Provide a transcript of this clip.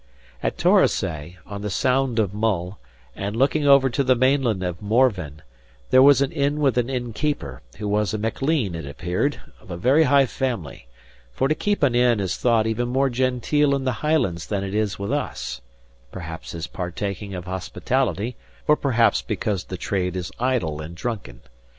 At Torosay, on the Sound of Mull and looking over to the mainland of Morven, there was an inn with an innkeeper, who was a Maclean, it appeared, of a very high family; for to keep an inn is thought even more genteel in the Highlands than it is with us, perhaps as partaking of hospitality, or perhaps because the trade is idle and drunken.